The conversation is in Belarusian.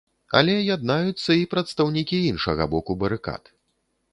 Але яднаюцца і прадстаўнікі іншага боку барыкад.